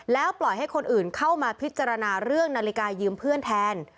แล้วปล่อยให้คนอื่นเข้ามาพิจารณาเรื่องนาฬิกายืมเพื่อนแทน